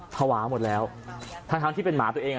ภาวะหมดแล้วทั้งที่เป็นหมาตัวเอง